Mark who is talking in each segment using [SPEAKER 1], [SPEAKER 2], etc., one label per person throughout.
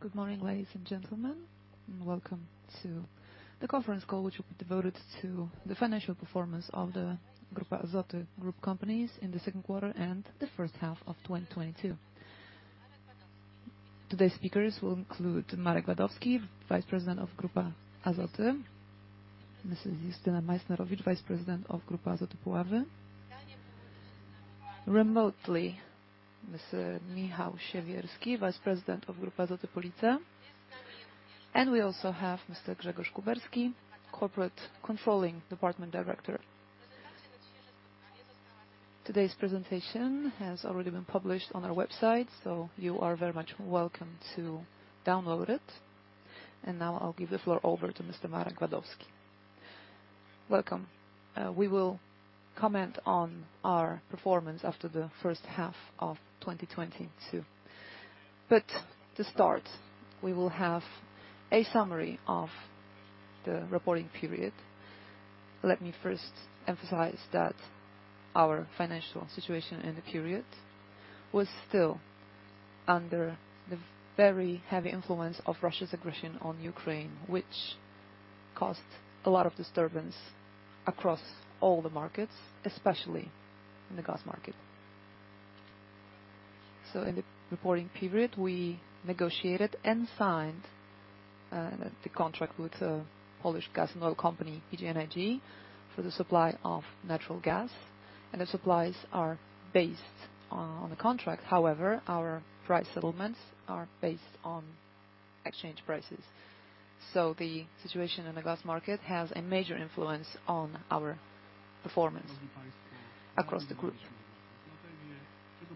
[SPEAKER 1] Good morning, ladies and gentlemen. Welcome to the conference call, which will be devoted to the financial performance of the Grupa Azoty group companies in the second quarter and the first half of 2022. Today's speakers will include Marek Wadowski, Vice President of Grupa Azoty S.A. Mrs. Justyna Majsnerowicz, Vice President of Grupa Azoty Puławy. Remotely, Mr. Michał Siewierski, Vice President of Grupa Azoty Police. We also have Mr. Grzegorz Kuberski, Corporate Controlling Department Director. Today's presentation has already been published on our website, so you are very much welcome to download it. Now, I'll give the floor over to Mr. Marek Wadowski. Welcome. We will comment on our performance after the first half of 2022. To start, we will have a summary of the reporting period. Let me first emphasize that our financial situation in the period was still under the very heavy influence of Russia's aggression on Ukraine, which caused a lot of disturbance across all the markets, especially in the gas market. In the reporting period, we negotiated and signed the contract with Polish gas and oil company, PGNiG, for the supply of natural gas, and the supplies are based on the contract. However, our price settlements are based on exchange prices. The situation in the gas market has a major influence on our performance across the group.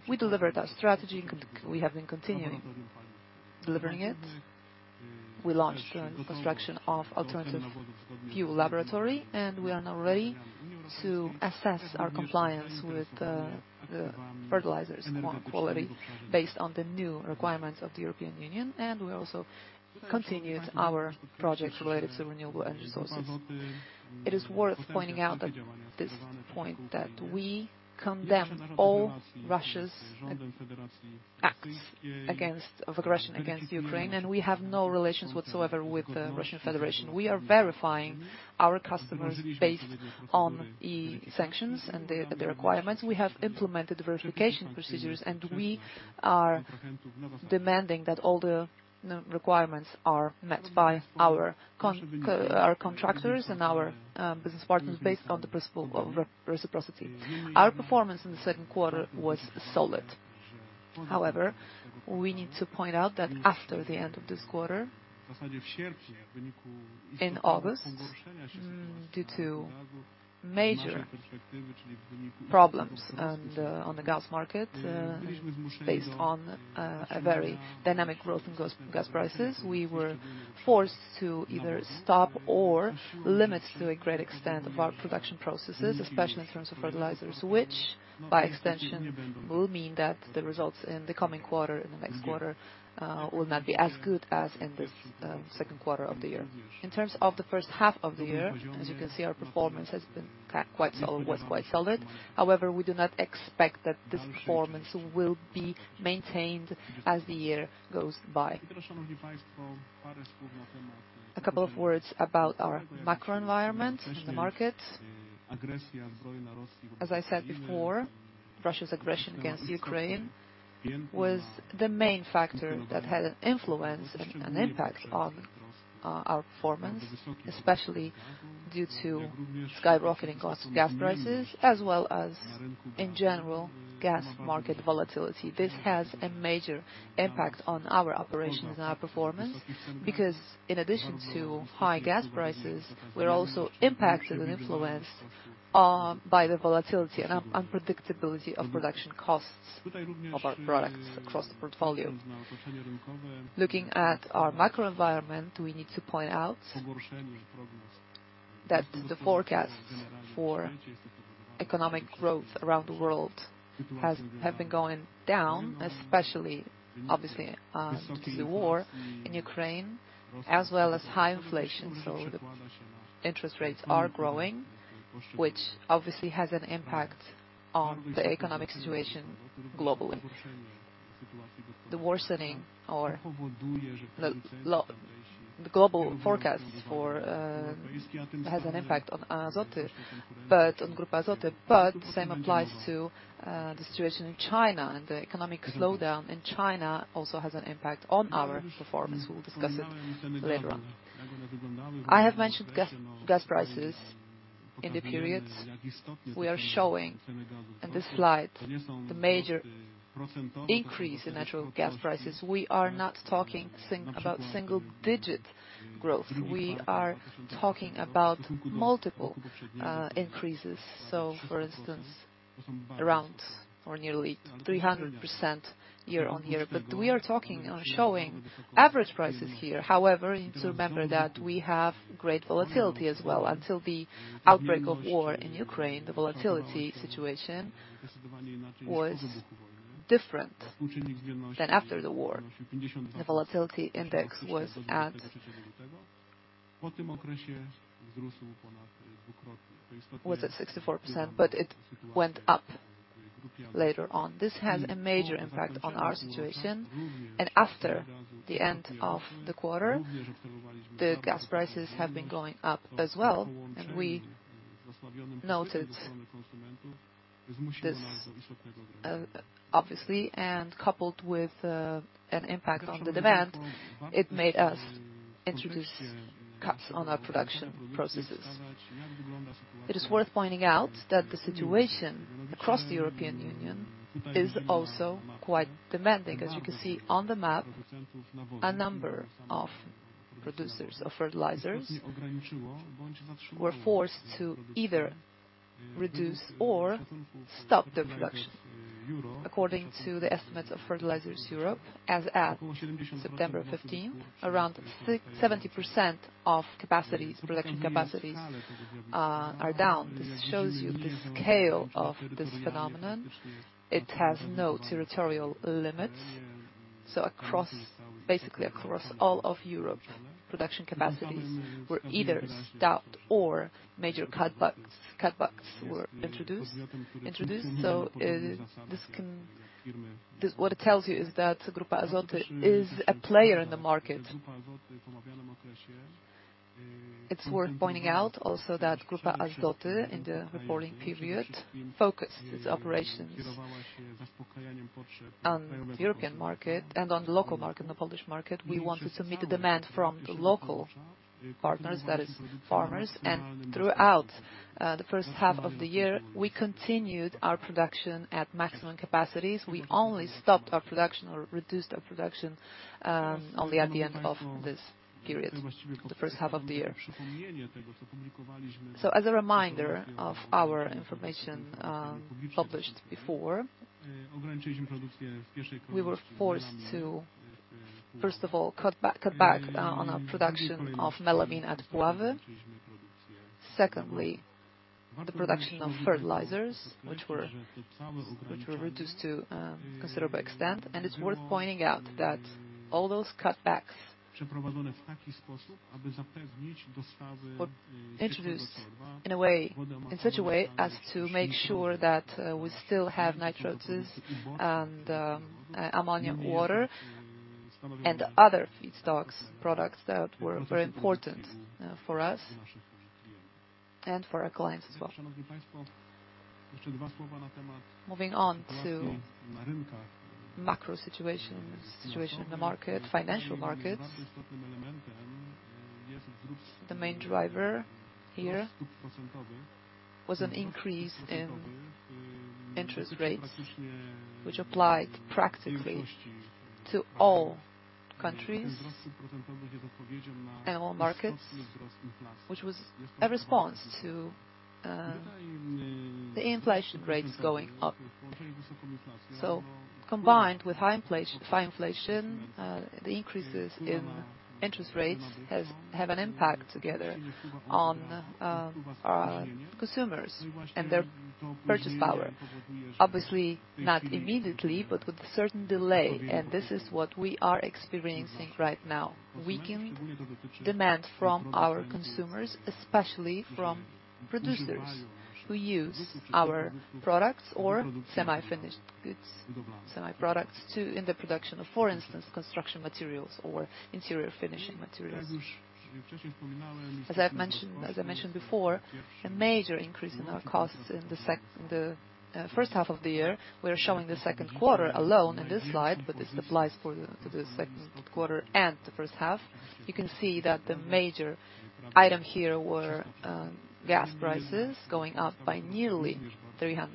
[SPEAKER 1] We delivered our strategy, we have been continuing delivering it. We launched the construction of alternative fuel laboratory, and we are now ready to assess our compliance with the fertilizers and water quality based on the new requirements of the European Union, and we also continued our projects related to renewable energy sources. It is worth pointing out at this point that we condemn all Russia's acts of aggression against Ukraine, and we have no relations whatsoever with the Russian Federation. We are verifying our customers based on EU sanctions and the requirements. We have implemented verification procedures, and we are demanding that all the requirements are met by our contractors and our business partners based on the principle of reciprocity. Our performance in the second quarter was solid. However, we need to point out that after the end of this quarter, in August, due to major problems and on the gas market, based on a very dynamic growth in gas prices, we were forced to either stop or limit to a great extent of our production processes, especially in terms of fertilizers. Which by extension will mean that the results in the coming quarter, in the next quarter, will not be as good as in this second quarter of the year. In terms of the first half of the year, as you can see, our performance has been quite solid. However, we do not expect that this performance will be maintained as the year goes by. A couple of words about our macro environment in the market. As I said before, Russia's aggression against Ukraine was the main factor that had an influence and an impact on our performance, especially due to skyrocketing cost of gas prices as well as in general, gas market volatility. This has a major impact on our operations and our performance because in addition to high gas prices, we're also impacted and influenced by the volatility and unpredictability of production costs of our products across the portfolio. Looking at our macro environment, we need to point out that the forecasts for economic growth around the world have been going down, especially obviously due to the war in Ukraine as well as high inflation. The interest rates are growing, which obviously has an impact on the economic situation globally. The worsening of the global forecast has an impact on Grupa Azoty, but the same applies to the situation in China and the economic slowdown in China also has an impact on our performance. We'll discuss it later on. I have mentioned gas prices in the periods we are showing in this slide, the major increase in natural gas prices. We are not talking about single-digit growth. We are talking about multiple increases. For instance, around or nearly 300% year-on-year. We are talking and showing average prices here, however, you need to remember that we have great volatility as well. Until the outbreak of war in Ukraine, the volatility situation was different than after the war. The volatility index was at 64%, but it went up later on. This has a major impact on our situation, and after the end of the quarter, the gas prices have been going up as well. We noted this, obviously, and coupled with an impact on the demand, it made us introduce cuts on our production processes. It is worth pointing out that the situation across the European Union is also quite demanding. As you can see on the map, a number of producers of fertilizers were forced to either reduce or stop their production. According to the estimates of Fertilizers Europe, as at September fifteenth, around 67% of capacities, production capacities, are down. This shows you the scale of this phenomenon. It has no territorial limits, so basically across all of Europe, production capacities were either stopped or major cutbacks were introduced. This can. What it tells you is that Grupa Azoty is a player in the market. It's worth pointing out also that Grupa Azoty, in the reporting period, focused its operations on the European market and on the local market, the Polish market. We want to submit the demand from the local partners, that is farmers. Throughout the first half of the year, we continued our production at maximum capacities. We only stopped our production or reduced our production only at the end of this period, the first half of the year. As a reminder of our information published before, we were forced to, first of all, cut back on our production of melamine at Puławy. Secondly, the production of fertilizers, which were reduced to a considerable extent. It's worth pointing out that all those cutbacks were introduced in such a way as to make sure that we still have nitroses and ammonia water and other feedstock products that were very important for us and for our clients as well. Moving on to macro situations, situation in the market, financial markets. The main driver here was an increase in interest rates, which applied practically to all countries and all markets, which was a response to the inflation rates going up. Combined with high inflation, the increases in interest rates have an impact together on consumers and their purchasing power. Obviously, not immediately, but with certain delay, and this is what we are experiencing right now, weakening demand from our consumers, especially from producers who use our products or semi-finished goods, semi-products in the production of, for instance, construction materials or interior finishing materials. As I've mentioned before, a major increase in our costs in the first half of the year. We're showing the second quarter alone in this slide, but this applies to the second quarter and the first half. You can see that the major item here were gas prices going up by nearly 300%.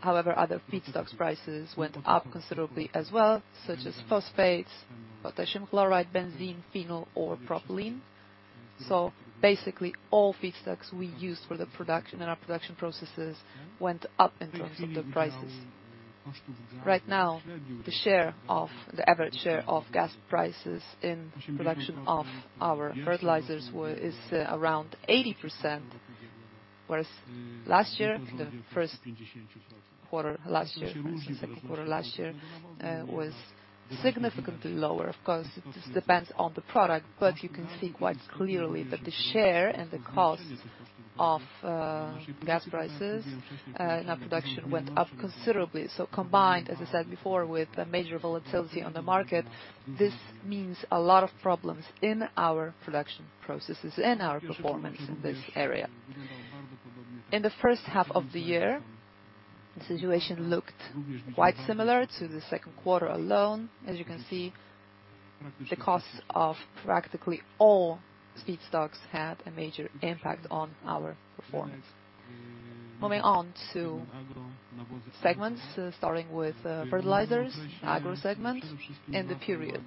[SPEAKER 1] However, other feedstocks prices went up considerably as well, such as phosphates, potassium chloride, benzene, phenol or propylene. Basically, all feedstocks we use for the production and our production processes went up in terms of the prices. Right now, the average share of gas prices in production of our fertilizers is around 80%, whereas last year, the first quarter last year, the second quarter last year, was significantly lower. Of course, this depends on the product, but you can see quite clearly that the share and the cost of gas prices in our production went up considerably. Combined, as I said before, with a major volatility on the market, this means a lot of problems in our production processes and our performance in this area. In the first half of the year, the situation looked quite similar to the second quarter alone. As you can see, the costs of practically all feedstocks had a major impact on our performance. Moving on to segments, starting with fertilizers, agro segments. In the period,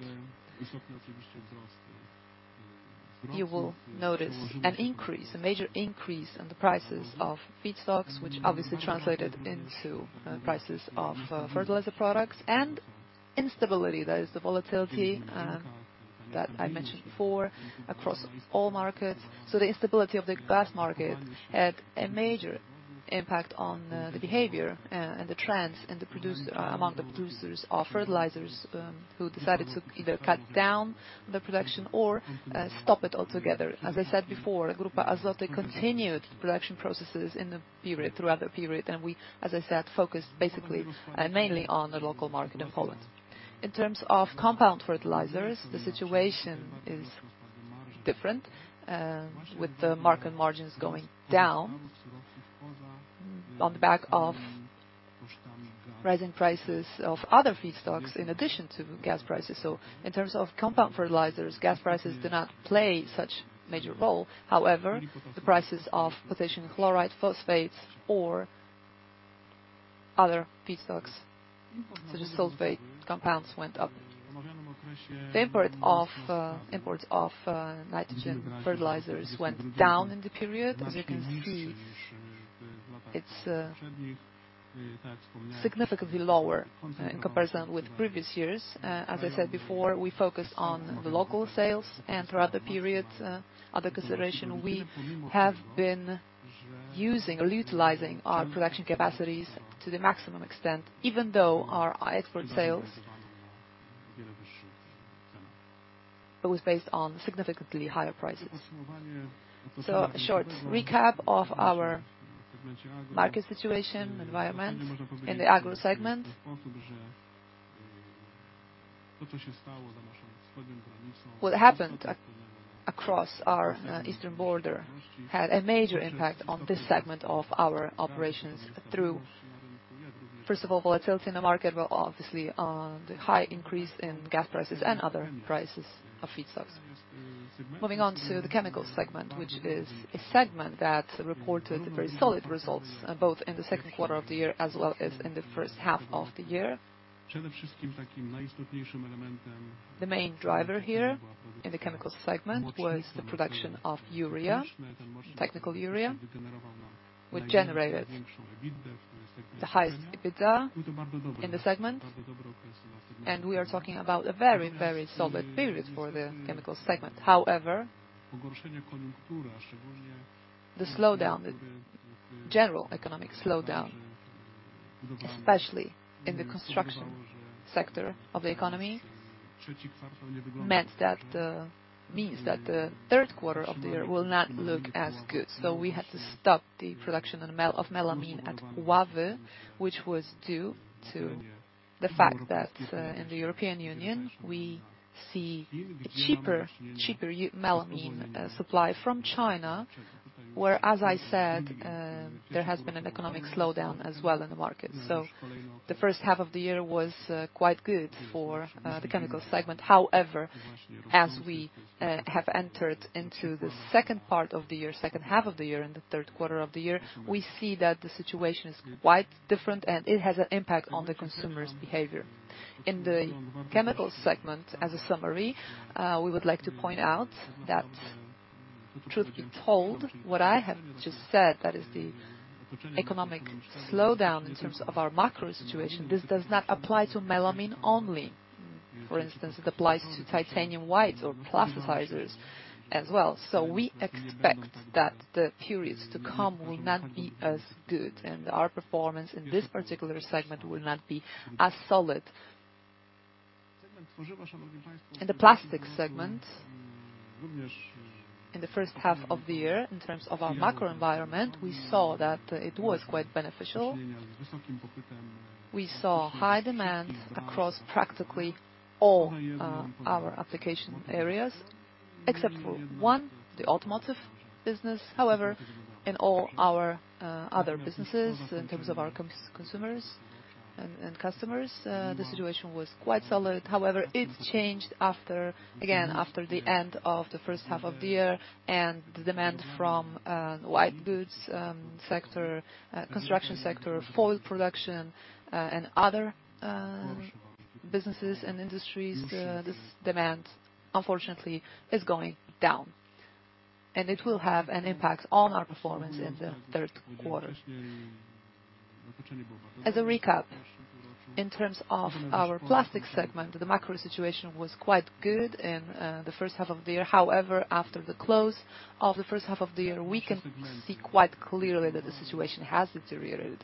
[SPEAKER 1] you will notice an increase, a major increase in the prices of feedstocks, which obviously translated into prices of fertilizer products and instability, that is the volatility, that I mentioned before. Across all markets. The instability of the gas market had a major impact on the behavior and the trends among the producers of fertilizers, who decided to either cut down the production or stop it altogether. As I said before, Grupa Azoty continued production processes in the period, throughout the period, and we, as I said, focused basically mainly on the local market in Poland. In terms of compound fertilizers, the situation is different, with the mark-up margins going down on the back of rising prices of other feedstocks in addition to gas prices. In terms of compound fertilizers, gas prices do not play such major role. However, the prices of potassium chloride, phosphates, or other feedstocks, such as sulfate compounds, went up. The imports of nitrogen fertilizers went down in the period. As you can see, it's significantly lower in comparison with previous years. As I said before, we focused on the local sales. Throughout the period under consideration, we have been using or utilizing our production capacities to the maximum extent, even though our export sales was based on significantly higher prices. A short recap of our market situation, environment in the Agro segment. What happened across our eastern border had a major impact on this segment of our operations through, first of all, volatility in the market, but obviously on the high increase in gas prices and other prices of feedstocks. Moving on to the chemicals segment, which is a segment that reported very solid results both in the second quarter of the year as well as in the first half of the year. The main driver here in the chemicals segment was the production of urea, technical urea, which generated the highest EBITDA in the segment. We are talking about a very, very solid period for the chemicals segment. However, the slowdown, the general economic slowdown, especially in the construction sector of the economy, means that the third quarter of the year will not look as good. We had to stop the production of melamine at Puławy, which was due to the fact that in the European Union, we see a cheaper melamine supply from China, where, as I said, there has been an economic slowdown as well in the market. The first half of the year was quite good for the chemicals segment. However, as we have entered into the second part of the year, second half of the year and the third quarter of the year, we see that the situation is quite different, and it has an impact on the consumers' behavior. In the chemicals segment, as a summary, we would like to point out that truth be told, what I have just said, that is the economic slowdown in terms of our macro situation, this does not apply to melamine only. For instance, it applies to Tytanpol or plasticizers as well. We expect that the periods to come will not be as good, and our performance in this particular segment will not be as solid. In the plastics segment, in the first half of the year, in terms of our macro environment, we saw that it was quite beneficial. We saw high demand across practically all our application areas, except for one, the automotive business. However, in all our other businesses, in terms of our consumers and customers, the situation was quite solid. However, it's changed after, again, after the end of the first half of the year and the demand from white goods sector, construction sector, foil production, and other businesses and industries. This demand, unfortunately, is going down, and it will have an impact on our performance in the third quarter. As a recap, in terms of our plastics segment, the macro situation was quite good in the first half of the year. However, after the close of the first half of the year, we can see quite clearly that the situation has deteriorated.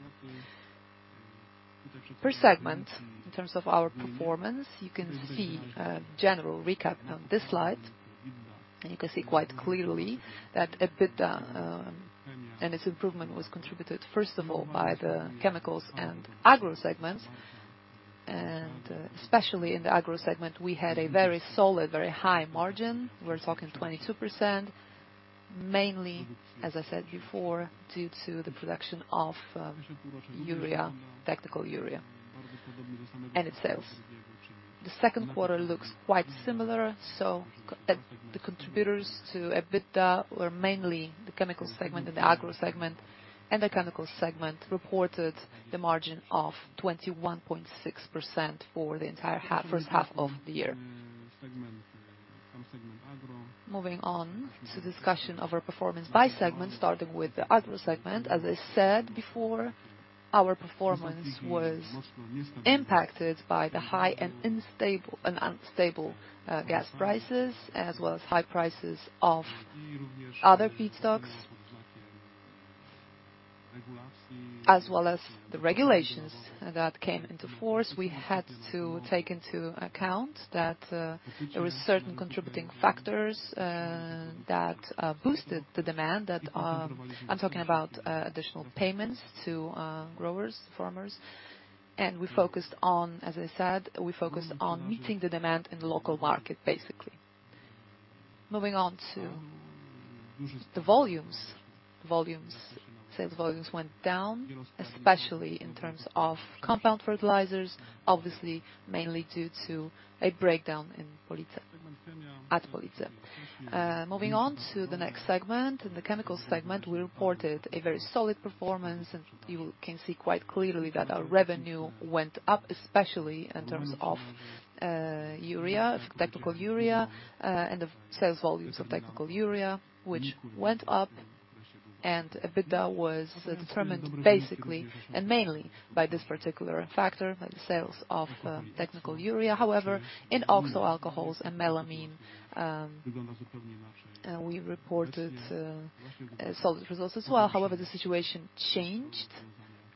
[SPEAKER 1] Per segment, in terms of our performance, you can see a general recap on this slide. You can see quite clearly that EBITDA and its improvement was contributed, first of all, by the chemicals and Agro segments. Especially in the Agro segment, we had a very solid, very high margin. We're talking 22%, mainly, as I said before, due to the production of urea, technical urea, and its sales. The second quarter looks quite similar, so the contributors to EBITDA were mainly the chemicals segment and the Agro segment. The chemicals segment reported the margin of 21.6% for the entire half, first half of the year. Moving on to discussion of our performance by segment, starting with the Agro segment. As I said before, our performance was impacted by the high and unstable gas prices, as well as high prices of other feedstocks, as well as the regulations that came into force. We had to take into account that there were certain contributing factors that boosted the demand that. I'm talking about additional payments to growers, farmers. We focused on, as I said, meeting the demand in the local market, basically. Moving on to the volumes. Volumes, sales volumes went down, especially in terms of compound fertilizers, obviously mainly due to a breakdown in Police, at Police. Moving on to the next segment. In the chemical segment, we reported a very solid performance, and you can see quite clearly that our revenue went up, especially in terms of urea, technical urea, and the sales volumes of technical urea, which went up. EBITDA was determined basically and mainly by this particular factor, by the sales of technical urea. However, in OXO alcohols and melamine, we reported solid results as well. However, the situation changed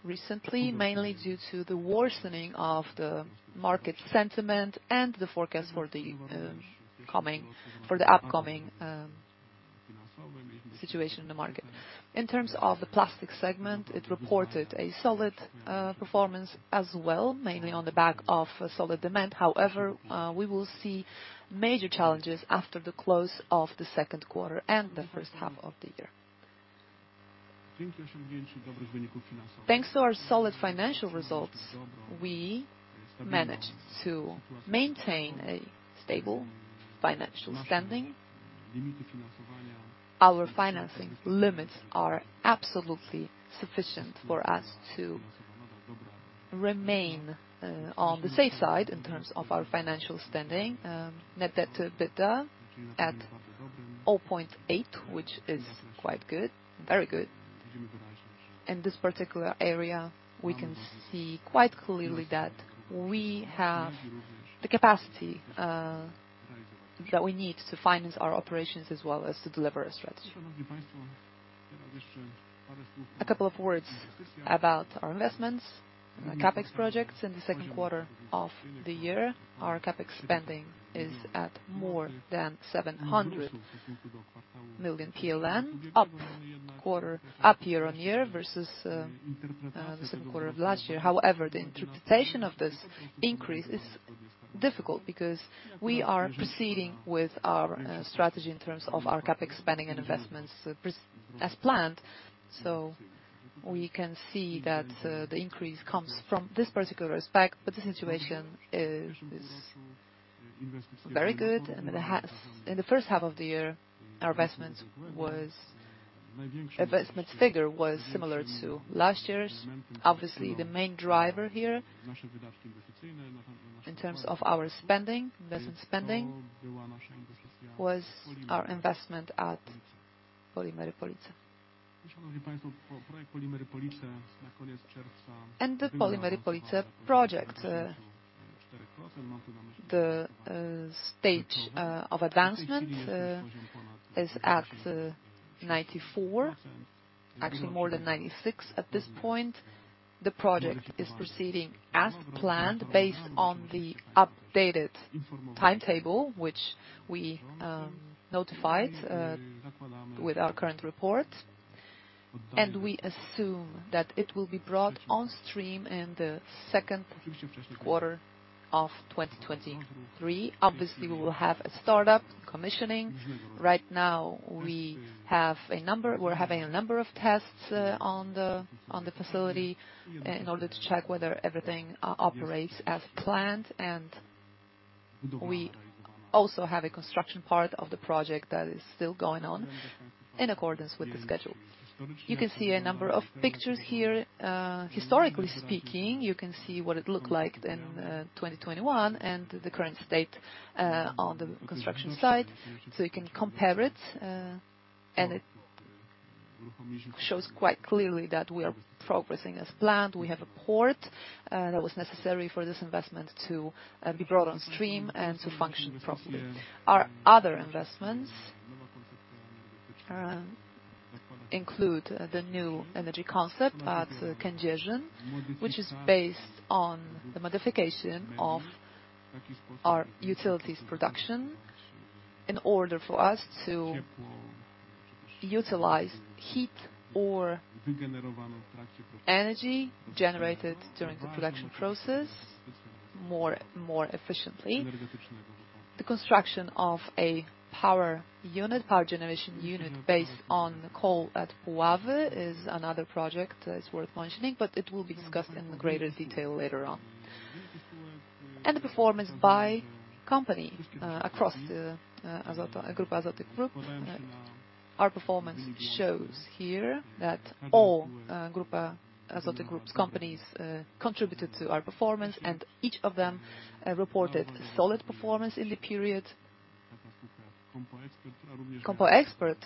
[SPEAKER 1] recently, mainly due to the worsening of the market sentiment and the forecast for the upcoming situation in the market. In terms of the plastic segment, it reported a solid performance as well, mainly on the back of solid demand. However, we will see major challenges after the close of the second quarter and the first half of the year. Thanks to our solid financial results, we managed to maintain a stable financial standing. Our financing limits are absolutely sufficient for us to remain on the safe side in terms of our financial standing. net debt-to-EBITDA at 0.8, which is quite good. Very good. In this particular area, we can see quite clearly that we have the capacity that we need to finance our operations as well as to deliver our strategy. A couple of words about our investments, CapEx projects in the second quarter of the year. Our CapEx spending is at more than 700 million PLN, up year-over-year versus the second quarter of last year. However, the interpretation of this increase is difficult because we are proceeding with our strategy in terms of our CapEx spending and investments as planned. We can see that the increase comes from this particular aspect, but the situation is very good. In the first half of the year, our investment figure was similar to last year's. Obviously, the main driver here in terms of our spending, investment spending, was our investment at Polimery Police. The Polimery Police project, the stage of advancement is at 94, actually more than 96 at this point. The project is proceeding as planned based on the updated timetable, which we notified with our current report. We assume that it will be brought on stream in the second quarter of 2023. Obviously, we will have a startup commissioning. Right now we're having a number of tests on the facility in order to check whether everything operates as planned. We also have a construction part of the project that is still going on in accordance with the schedule. You can see a number of pictures here. Historically speaking, you can see what it looked like in 2021 and the current state on the construction site, so you can compare it and it shows quite clearly that we are progressing as planned. We have a port that was necessary for this investment to be brought on stream and to function properly. Our other investments include the new energy concept at Kędzierzyn, which is based on the modification of our utilities production in order for us to utilize heat or energy generated during the production process more efficiently. The construction of a power unit, power generation unit based on coal at Puławy is another project that's worth mentioning, but it will be discussed in greater detail later on. The performance by company across the Grupa Azoty group. Our performance shows here that all Grupa Azoty Group's companies contributed to our performance, and each of them reported solid performance in the period. COMPO EXPERT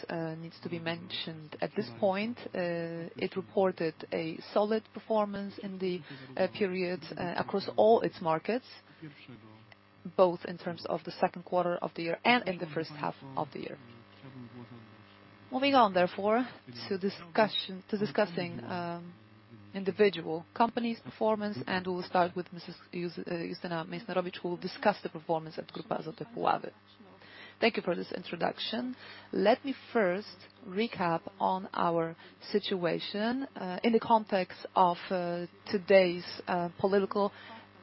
[SPEAKER 1] needs to be mentioned at this point. It reported a solid performance in the period across all its markets, both in terms of the second quarter of the year and in the first half of the year. Moving on therefore to discussing individual companies' performance, and we'll start with Mrs. Justyna Majsnerowicz, who will discuss the performance of Grupa Azoty Puławy. Thank you for this introduction. Let me first recap on our situation in the context of today's political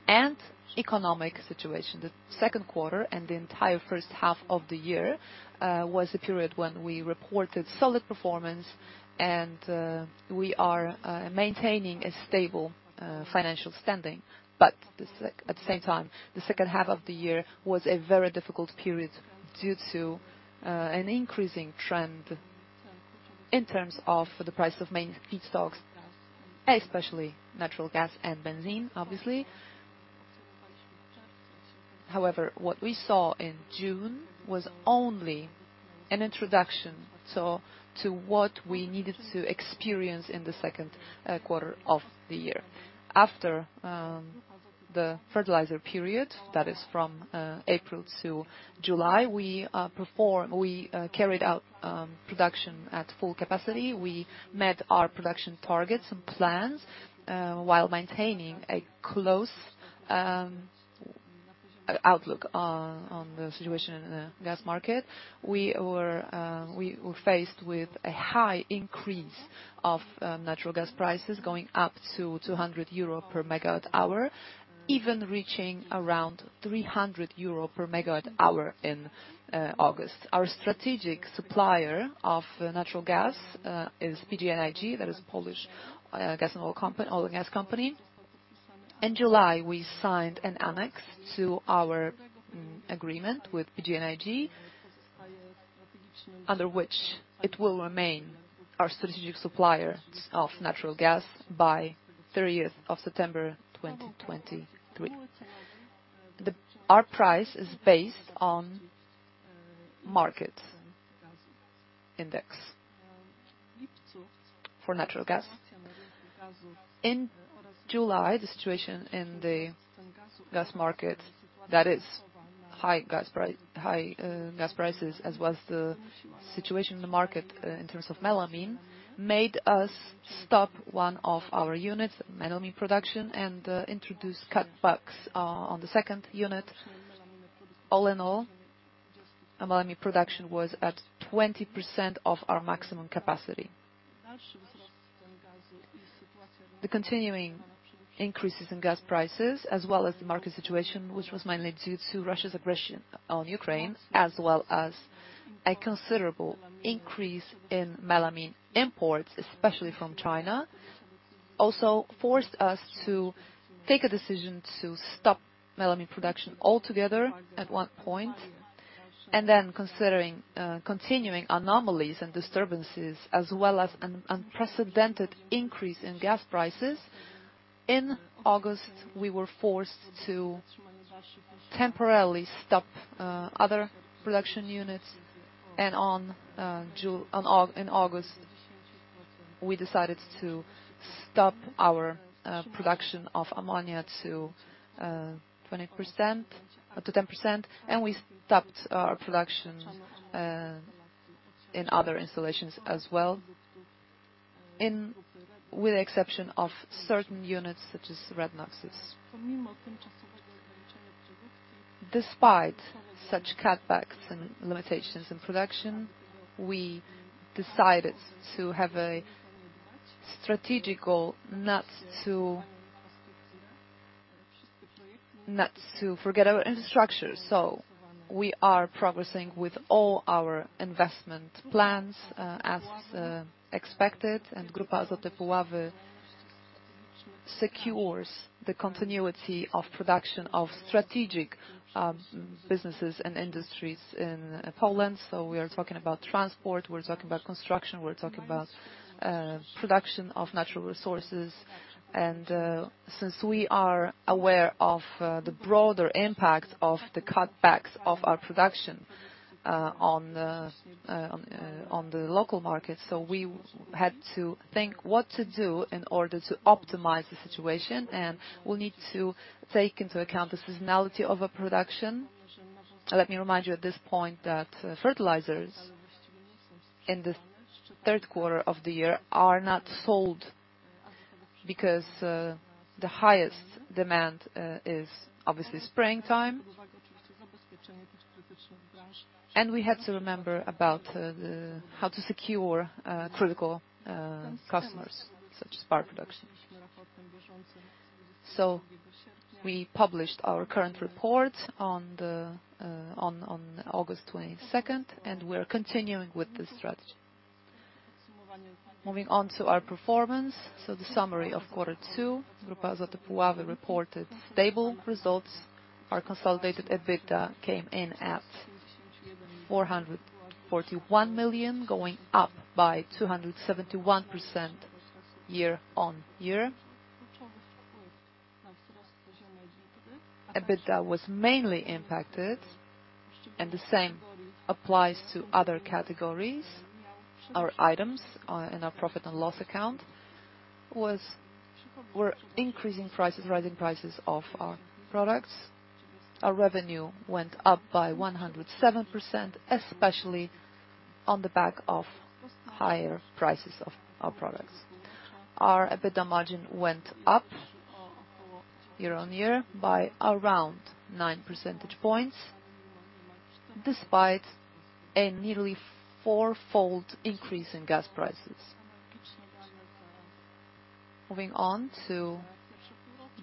[SPEAKER 1] and economic situation. The second quarter and the entire first half of the year was a period when we reported solid performance and we are maintaining a stable financial standing. At the same time, the second half of the year was a very difficult period due to an increasing trend in terms of the price of main feedstocks, especially natural gas and benzene, obviously. However, what we saw in June was only an introduction to what we needed to experience in the second quarter of the year. After the fertilizer period, that is from April to July, we carried out production at full capacity. We met our production targets and plans while maintaining a close outlook on the situation in the gas market. We were faced with a high increase of natural gas prices going up to 200 euro per MWH, even reaching around 300 euro per MWH in August. Our strategic supplier of natural gas is PGNiG, that is a Polish oil and gas company. In July, we signed an annex to our agreement with PGNiG, under which it will remain our strategic supplier of natural gas by 30th of September 2023. Our price is based on market index for natural gas. In July, the situation in the gas market, that is high gas prices, as was the situation in the market in terms of melamine, made us stop one of our units, melamine production, and introduce cutbacks on the second unit. All in all, our melamine production was at 20% of our maximum capacity. The continuing increases in gas prices, as well as the market situation, which was mainly due to Russia's aggression on Ukraine, as well as a considerable increase in melamine imports, especially from China, also forced us to take a decision to stop melamine production altogether at one point, and then considering continuing anomalies and disturbances as well as an unprecedented increase in gas prices, in August, we were forced to temporarily stop other production units. In August, we decided to stop our production of ammonia to 20%, to 10%, and we stopped our production in other installations as well, with the exception of certain units such as NOXy. Despite such cutbacks and limitations in production, we decided to have a strategic goal not to forget our infrastructure. We are progressing with all our investment plans, as expected, and Grupa Azoty Puławy secures the continuity of production of strategic businesses and industries in Poland. We are talking about transport, we're talking about construction, we're talking about production of natural resources. Since we are aware of the broader impact of the cutbacks of our production on the local market, we had to think what to do in order to optimize the situation, and we'll need to take into account the seasonality of our production. Let me remind you at this point that fertilizers in the third quarter of the year are not sold because the highest demand is obviously spring time. We have to remember about how to secure critical customers, such as bar production. We published our current report on August twenty-second, and we're continuing with this strategy. Moving on to our performance, the summary of quarter two, Grupa Azoty Puławy reported stable results. Our consolidated EBITDA came in at 441 million, going up by 271% year-on-year. EBITDA was mainly impacted by increasing prices, rising prices of our products, and the same applies to other categories or items in our profit and loss account. Our revenue went up by 107%, especially on the back of higher prices of our products. Our EBITDA margin went up year-on-year by around nine percentage points, despite a nearly four-fold increase in gas prices. Moving on to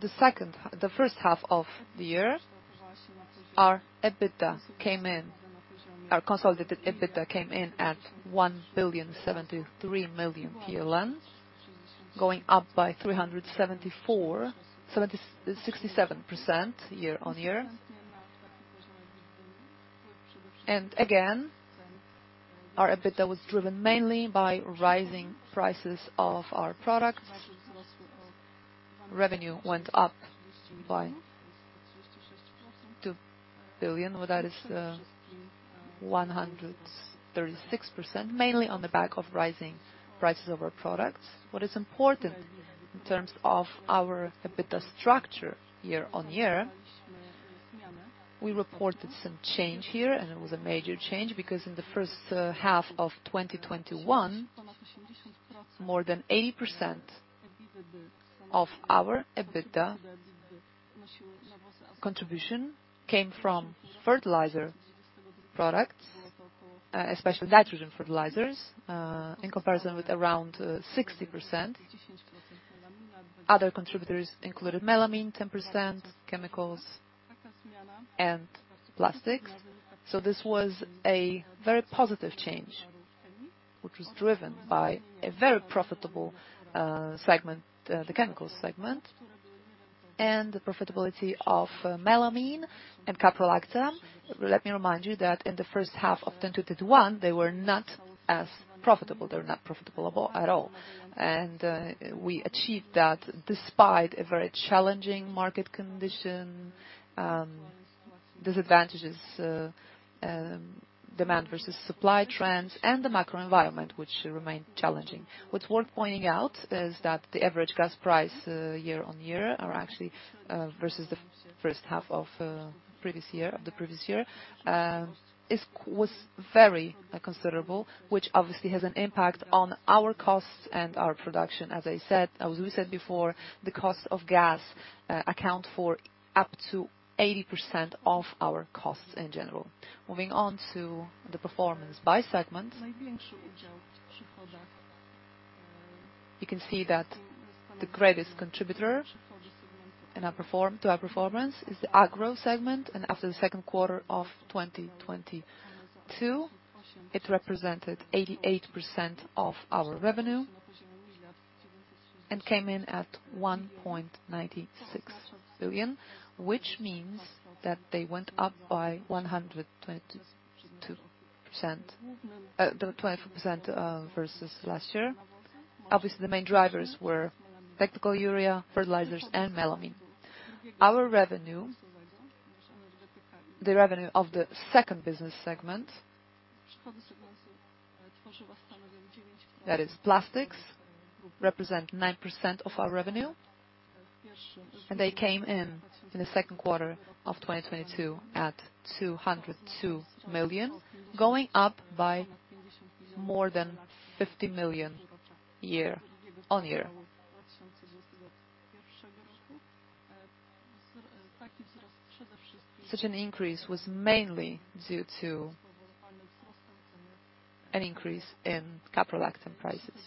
[SPEAKER 1] the first half of the year, our consolidated EBITDA came in at 1,073 million PLN, going up by 376.7% year-on-year. Again, our EBITDA was driven mainly by rising prices of our products. Revenue went up by PLN 2 billion, well, that is, 136%, mainly on the back of rising prices of our products. What is important in terms of our EBITDA structure year-on-year, we reported some change here, and it was a major change, because in the first half of 2021, more than 80% of our EBITDA contribution came from fertilizer products, especially nitrogen fertilizers, in comparison with around 60%. Other contributors included melamine, 10%, chemicals, and plastics. This was a very positive change, which was driven by a very profitable segment, the Chemicals segment, and the profitability of melamine and caprolactam. Let me remind you that in the first half of 2021, they were not as profitable. They were not profitable at all. We achieved that despite a very challenging market condition, disadvantages, demand versus supply trends, and the macro environment, which remained challenging. What's worth pointing out is that the average gas price year-on-year versus the first half of the previous year was very considerable, which obviously has an impact on our costs and our production. As I said, as we said before, the cost of gas account for up to 80% of our costs in general. Moving on to the performance by segment. You can see that the greatest contributor in our performance is the Agro segment, and after the second quarter of 2022, it represented 88% of our revenue and came in at 1.96 billion, which means that they went up by 122%. The 22% versus last year. Obviously, the main drivers were technical urea, fertilizers, and melamine. Our revenue, the revenue of the second business segment, that is plastics, represent 9% of our revenue. They came in the second quarter of 2022 at 202 million, going up by more than 50 million year-on-year. Such an increase was mainly due to an increase in caprolactam prices.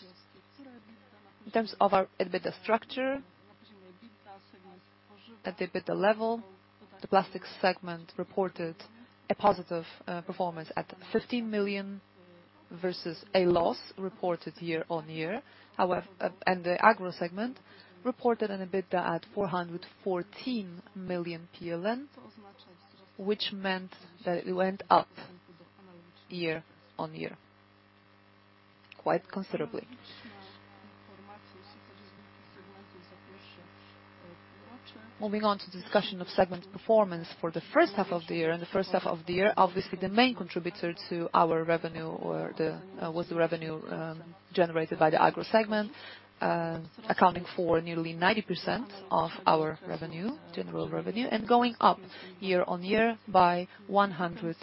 [SPEAKER 1] In terms of our EBITDA structure, at the EBITDA level, the plastics segment reported a positive performance at 15 million, versus a loss reported year-on-year. The Agro segment reported an EBITDA at 414 million PLN, which meant that it went up year-on-year quite considerably. Moving on to discussion of segment performance for the first half of the year. In the first half of the year, obviously, the main contributor to our revenue was the revenue generated by the Agro segment, accounting for nearly 90% of our revenue, general revenue, and going up year-on-year by 152%,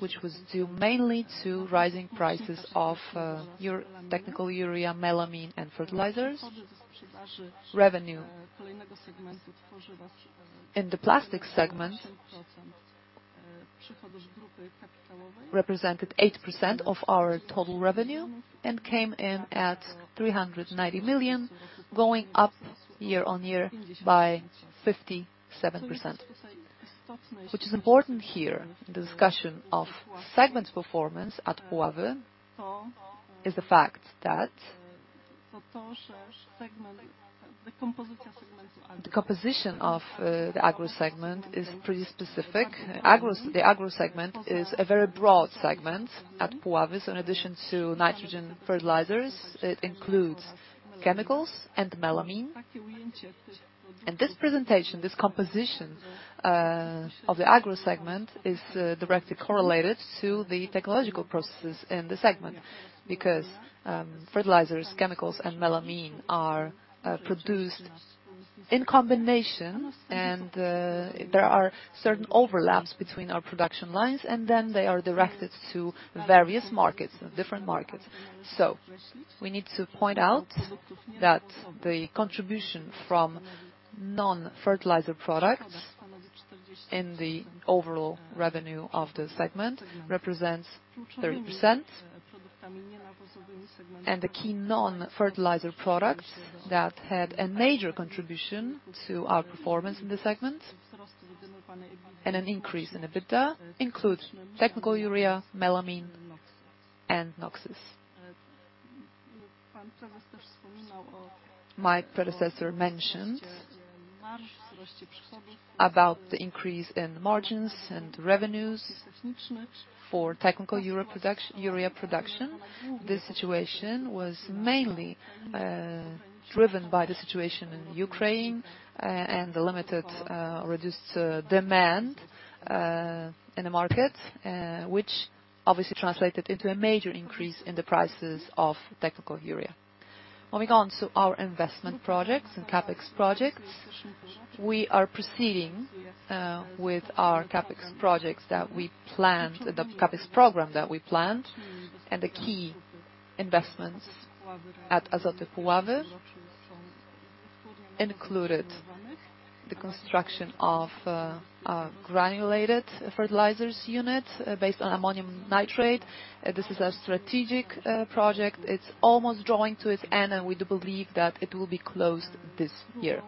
[SPEAKER 1] which was due mainly to rising prices of technical urea, melamine, and fertilizers. Revenue in the plastic segment represented 8% of our total revenue and came in at 390 million, going up year-on-year by 57%. What is important here in the discussion of segment performance at Puławy is the fact that the composition of the Agro segment is pretty specific. The Agro segment is a very broad segment at Puławy. In addition to nitrogen fertilizers, it includes chemicals and melamine. This presentation, this composition of the Agro segment is directly correlated to the technological processes in the segment because fertilizers, chemicals, and melamine are produced in combination and there are certain overlaps between our production lines, and then they are directed to various markets and different markets. We need to point out that the contribution from non-fertilizer products in the overall revenue of the segment represents 30%. The key non-fertilizer products that had a major contribution to our performance in the segment and an increase in EBITDA includes technical urea, melamine, and NOx's. My predecessor mentioned about the increase in margins and revenues for technical urea production, urea production. This situation was mainly driven by the situation in Ukraine and the limited, reduced demand in the market, which obviously translated into a major increase in the prices of technical urea. Moving on to our investment projects and CapEx projects. We are proceeding with our CapEx projects that we planned, the CapEx program that we planned, and the key investments at Grupa Azoty Puławy included the construction of a granulated fertilizers unit based on ammonium nitrate. This is a strategic project. It's almost drawing to its end, and we do believe that it will be closed this year.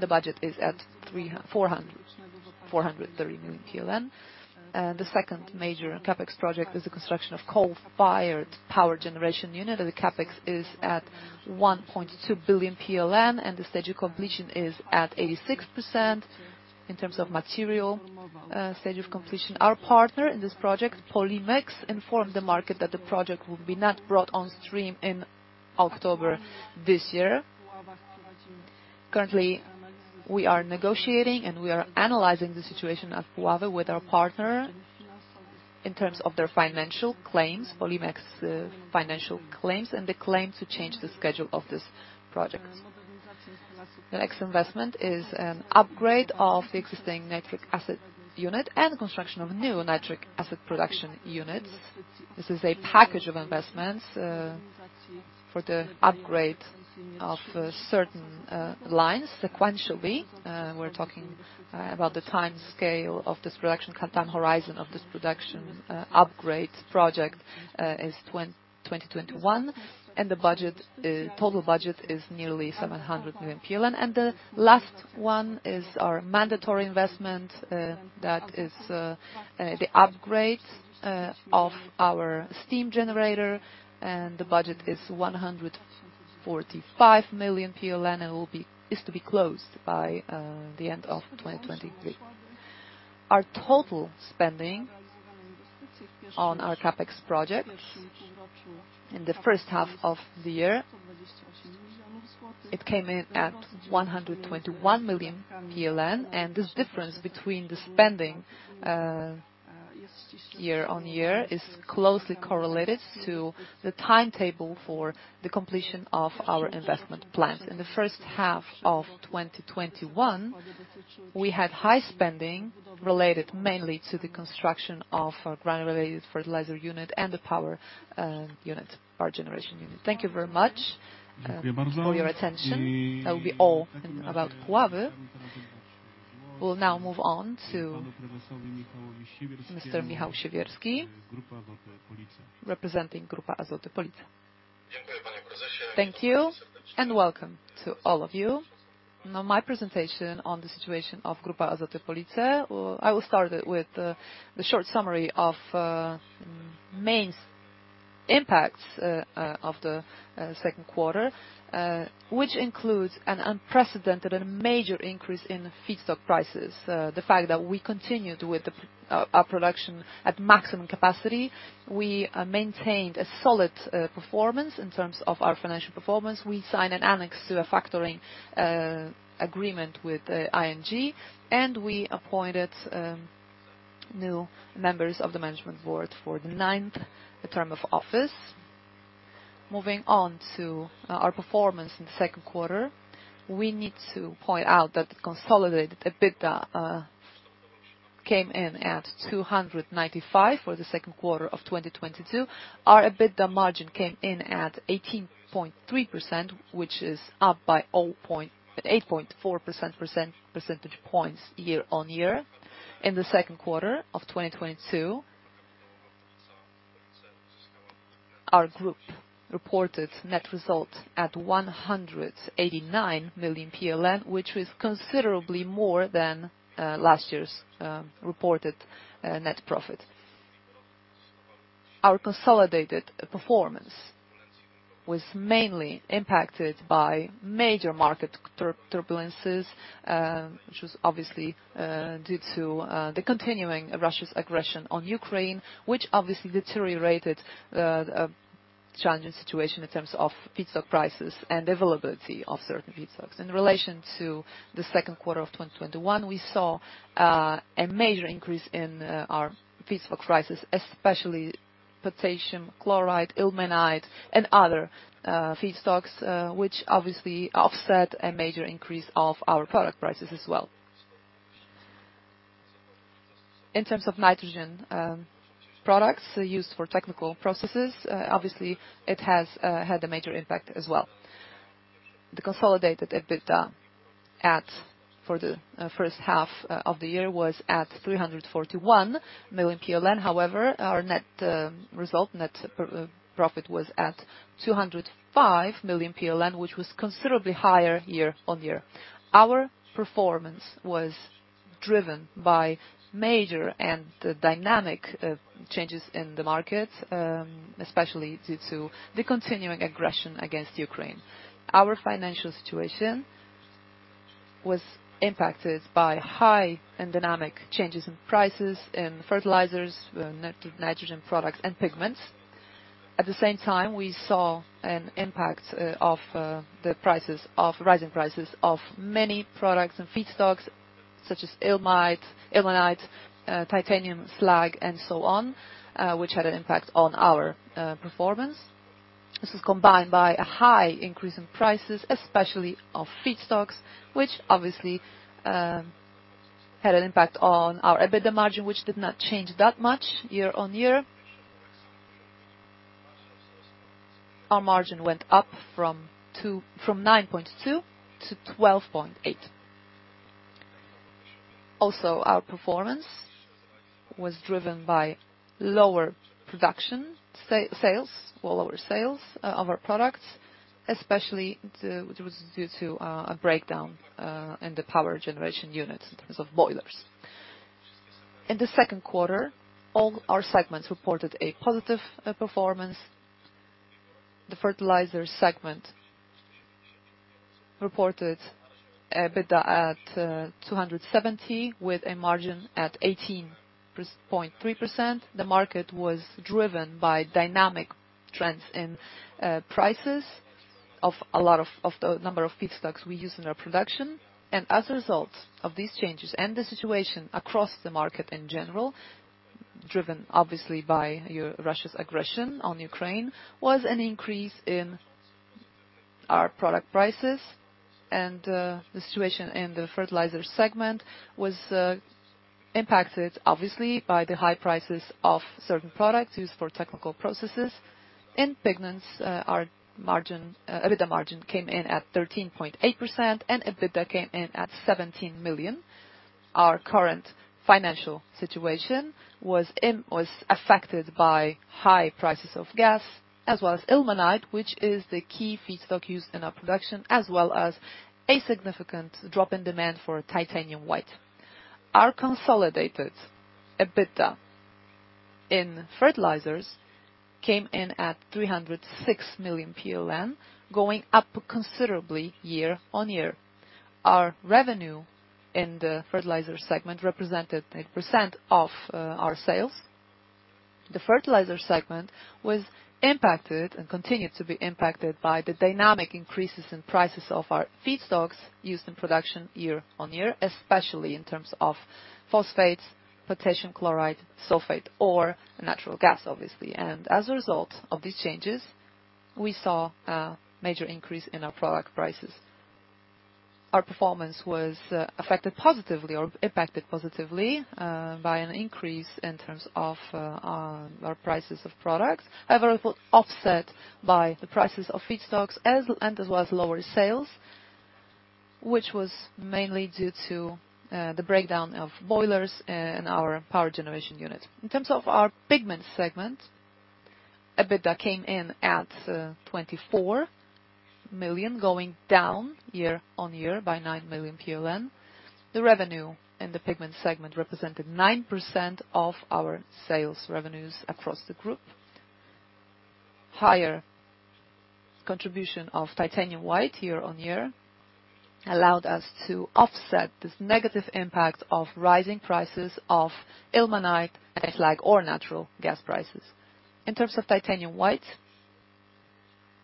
[SPEAKER 1] The budget is at 430 million. The second major CapEx project is the construction of coal-fired power generation unit, and the CapEx is at 1.2 billion PLN, and the stage of completion is at 86% in terms of material stage of completion. Our partner in this project, Polimex Mostostal, informed the market that the project will not be brought on stream in October this year. Currently, we are negotiating, and we are analyzing the situation at Puławy with our partner in terms of their financial claims, Polimex's Mostostal financial claims and the claim to change the schedule of this project. The next investment is an upgrade of the existing nitric acid unit and the construction of a new nitric acid production unit. This is a package of investments for the upgrade of certain lines sequentially. We're talking about the time scale of this production, time horizon of this production, upgrade project is 2021, and the total budget is nearly 700 million PLN. The last one is our mandatory investment, that is, the upgrade of our steam generator, and the budget is 145 million PLN, and it is to be closed by the end of 2023. Our total spending on our CapEx project in the first half of the year, it came in at 121 million PLN, and this difference between the spending year-over-year is closely correlated to the timetable for the completion of our investment plans. In the first half of 2021, we had high spending related mainly to the construction of our granulated fertilizer unit and the power unit, power generation unit. Thank you very much for your attention. That will be all about Puławy. We'll now move on to Mr. Michał Siewierski, representing Grupa Azoty Police. Thank you, and welcome to all of you. Now, my presentation on the situation of Grupa Azoty Police, I will start it with the short summary of main impacts of the second quarter, which includes an unprecedented and major increase in feedstock prices. The fact that we continued with our production at maximum capacity, we maintained a solid performance in terms of our financial performance. We signed an annex to a factoring agreement with ING, and we appointed new members of the management board for the ninth term of office. Moving on to our performance in the second quarter, we need to point out that the consolidated EBITDA came in at 295 for the second quarter of 2022. Our EBITDA margin came in at 18.3%, which is up by 8.4 percentage points year on year. In the second quarter of 2022, our group reported net results at 189 million PLN, which was considerably more than last year's reported net profit. Our consolidated performance was mainly impacted by major market turbulences, which was obviously due to the continuing of Russia's aggression on Ukraine, which obviously deteriorated challenging situation in terms of feedstock prices and availability of certain feedstocks. In relation to the second quarter of 2021, we saw a major increase in our feedstock prices, especially potassium chloride, ilmenite, and other feedstocks, which obviously offset a major increase of our product prices as well. In terms of nitrogen products used for technical processes, obviously it has had a major impact as well. The consolidated EBITDA for the first half of the year was at 341 million PLN. However, our net result, net profit was at 205 million PLN, which was considerably higher year on year. Our performance was driven by major and dynamic changes in the market, especially due to the continuing aggression against Ukraine. Our financial situation was impacted by high and dynamic changes in prices in fertilizers, nitrogen products and pigments. At the same time, we saw an impact of rising prices of many products and feedstocks such as ilmenite, titanium slag and so on, which had an impact on our performance. This is combined by a high increase in prices, especially of feedstocks, which obviously had an impact on our EBITDA margin, which did not change that much year-over-year. Our margin went up from 9.2% to 12.8%. Our performance was driven by lower production sales or lower sales of our products, especially due to a breakdown in the power generation units in terms of boilers. In the second quarter, all our segments reported a positive performance. The fertilizer segment reported EBITDA at 270 with a margin at 18.3%. The market was driven by dynamic trends in prices of a lot of the number of feedstocks we use in our production. As a result of these changes and the situation across the market in general, driven obviously by Russia's aggression on Ukraine, was an increase in our product prices. The situation in the fertilizer segment was impacted obviously by the high prices of certain products used for technical processes. In pigments, our EBITDA margin came in at 13.8%, and EBITDA came in at 17 million. Our current financial situation was affected by high prices of gas as well as ilmenite, which is the key feedstock used in our production, as well as a significant drop in demand for titanium white. Our consolidated EBITDA in fertilizers came in at 306 million, going up considerably year-on-year. Our revenue in the fertilizer segment represented 8% of our sales. The fertilizer segment was impacted and continued to be impacted by the dynamic increases in prices of our feedstocks used in production year-on-year, especially in terms of phosphates, potassium chloride, sulfate or natural gas, obviously. As a result of these changes, we saw a major increase in our product prices. Our performance was affected positively or impacted positively by an increase in terms of our prices of products, however, it was offset by the prices of feedstocks and as well as lower sales, which was mainly due to the breakdown of boilers in our power generation unit. In terms of our pigment segment, EBITDA came in at 24 million, going down year-over-year by 9 million PLN. The revenue in the pigment segment represented 9% of our sales revenues across the group. Higher contribution of titanium white year-over-year allowed us to offset this negative impact of rising prices of ilmenite and slag or natural gas prices. In terms of titanium white,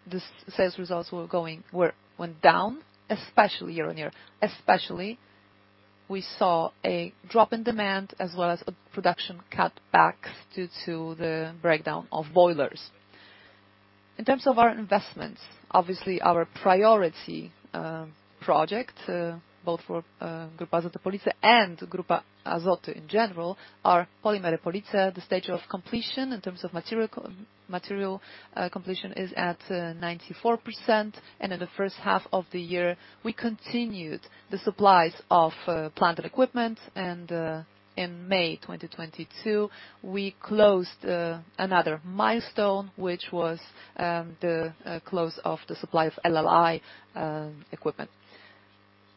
[SPEAKER 1] the sales results went down, especially year-on-year, especially we saw a drop in demand as well as a production cutback due to the breakdown of boilers. In terms of our investments, obviously, our priority project both for Grupa Azoty Police and Grupa Azoty in general are Polimery Police. The stage of completion in terms of material completion is at 94%. In the first half of the year, we continued the supplies of plant and equipment. In May 2022, we closed another milestone, which was the close of the supply of LLI equipment.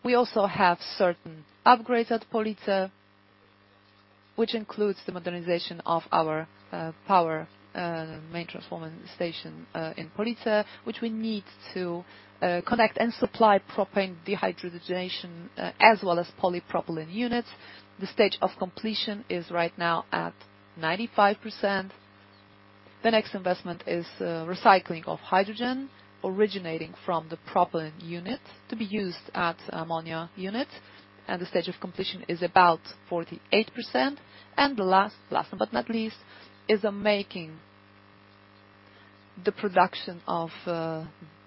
[SPEAKER 1] We also have certain upgrades at Police, which includes the modernization of our power main transformation station in Police, which we need to connect and supply propane dehydrogenation as well as polypropylene units. The stage of completion is right now at 95%. The next investment is recycling of hydrogen originating from the propylene unit to be used at ammonia unit, and the stage of completion is about 48%. The last but not least is making the production of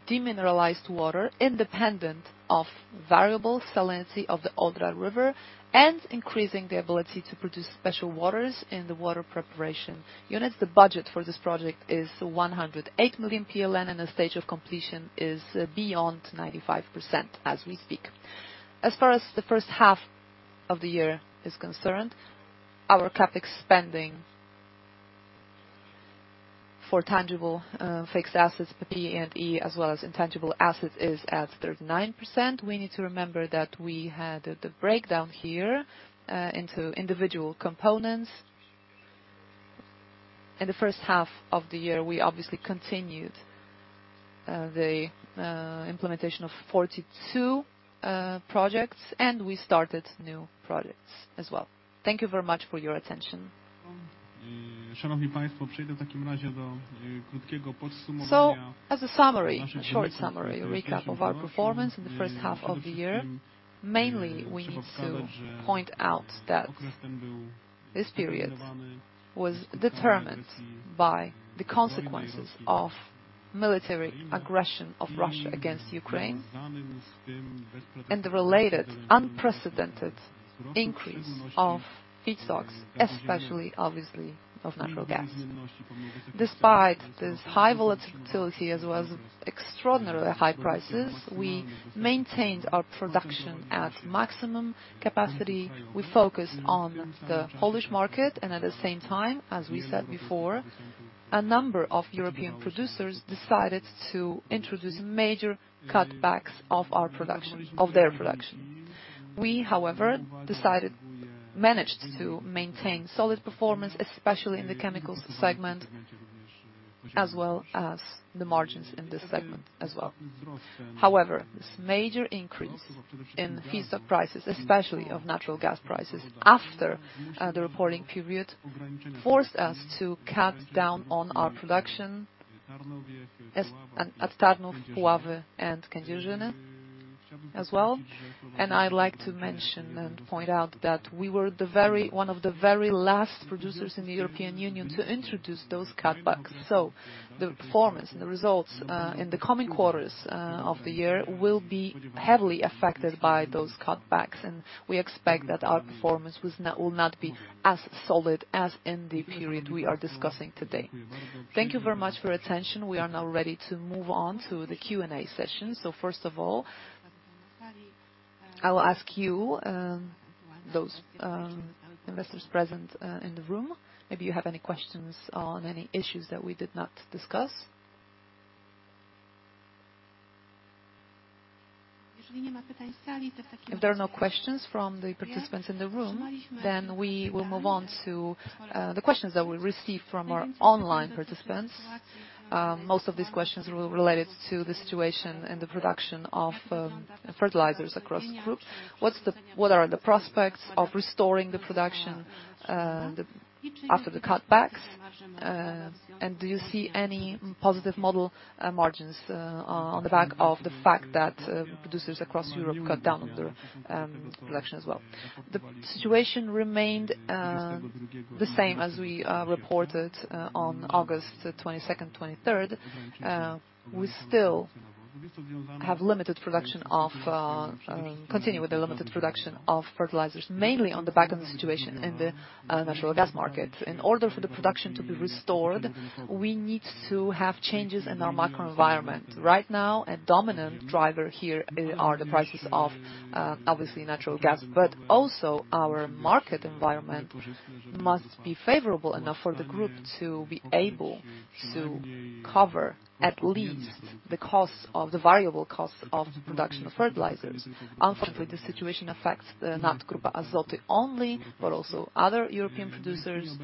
[SPEAKER 1] demineralized water independent of variable salinity of the Odra River and increasing the ability to produce special waters in the water preparation units. The budget for this project is 108 million PLN, and the stage of completion is beyond 95% as we speak. As far as the first half of the year is concerned, our CapEx spending for tangible fixed assets, PP&E, as well as intangible assets is at 39%. We need to remember that we had the breakdown here into individual components. In the first half of the year, we obviously continued the implementation of 42 projects, and we started new projects as well. Thank you very much for your attention. As a summary, a short summary, a recap of our performance in the first half of the year, mainly we need to point out that this period was determined by the consequences of military aggression of Russia against Ukraine and the related unprecedented increase of feedstock, especially obviously, of natural gas. Despite this high volatility as well as extraordinarily high prices, we maintained our production at maximum capacity. We focused on the Polish market, and at the same time, as we said before, a number of European producers decided to introduce major cutbacks of their production. We, however, managed to maintain solid performance, especially in the chemicals segment, as well as the margins in this segment as well. However, this major increase in feedstock prices, especially of natural gas prices, after the reporting period, forced us to cut down on our production at Tarnów, Puławy, and Kędzierzyn as well. I'd like to mention and point out that we were one of the very last producers in the European Union to introduce those cutbacks. The performance and the results in the coming quarters of the year will be heavily affected by those cutbacks, and we expect that our performance will not be as solid as in the period we are discussing today. Thank you very much for your attention. We are now ready to move on to the Q&A session. First of all, I will ask you, those investors present in the room, if you have any questions on any issues that we did not discuss. If there are no questions from the participants in the room, we will move on to the questions that we received from our online participants. Most of these questions were related to the situation and the production of fertilizers across the group.
[SPEAKER 2] What are the prospects of restoring the production after the cutbacks? And do you see any positive model margins on the back of the fact that producers across Europe cut down on their production as well? The situation remained the same as we reported on August 22nd, 23rd. We continue with the limited production of fertilizers, mainly on the back of the situation in the natural gas market. In order for the production to be restored, we need to have changes in our macro environment. Right now, a dominant driver here are the prices of obviously natural gas, but also our market environment must be favorable enough for the group to be able to cover at least the variable cost of the production of fertilizers.
[SPEAKER 1] Unfortunately, the situation affects the Grupa Azoty only, but also other European producers,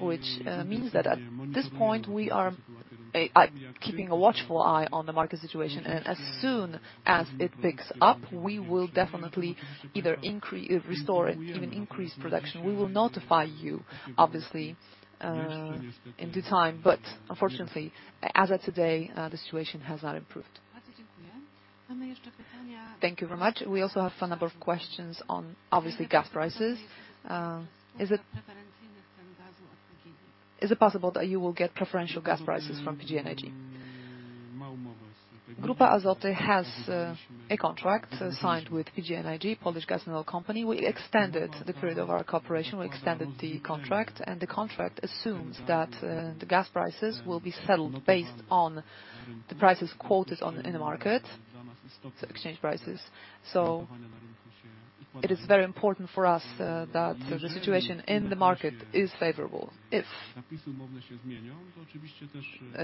[SPEAKER 1] which means that at this point we are keeping a watchful eye on the market situation. As soon as it picks up, we will definitely restore it, even increase production. We will notify you, obviously, in due time, but unfortunately, as of today, the situation has not improved. Thank you very much. We also have a number of questions on, obviously, gas prices. Is it possible that you will get preferential gas prices from PGNiG? Grupa Azoty has a contract signed with PGNiG, Polish Gas and Oil Company. We extended the period of our cooperation, we extended the contract, and the contract assumes that the gas prices will be settled based on the prices quoted in the market, so exchange prices. It is very important for us that the situation in the market is favorable. If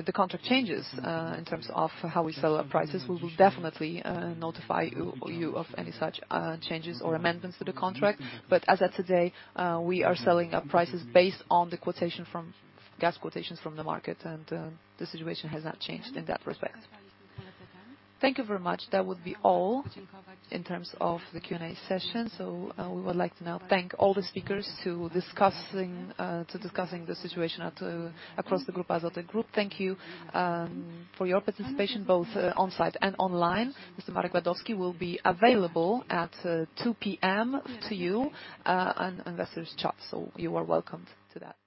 [SPEAKER 1] the contract changes in terms of how we sell our prices, we will definitely notify you of any such changes or amendments to the contract. But as of today, we are selling our prices based on gas quotations from the market, and the situation has not changed in that respect. Thank you very much. That would be all in terms of the Q&A session. We would like to now thank all the speakers for discussing the situation across the Grupa Azoty Group. Thank you for your participation both on-site and online. Mr. Marek Wadowski will be available at 2:00 P.M. to you on investors chat. You are welcome to that.